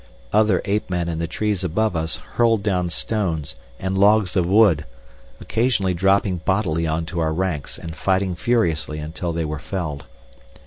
Other ape men in the trees above us hurled down stones and logs of wood, occasionally dropping bodily on to our ranks and fighting furiously until they were felled.